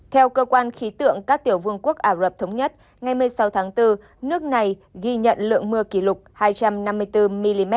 theo cơ quan khí tượng các tiểu vương quốc ả rập thống nhất ngày một mươi sáu tháng bốn nước này ghi nhận lượng mưa kỷ lục hai trăm năm mươi bốn mm